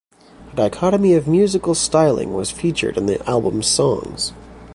A dichotomy of musical styling was featured in the album's songs.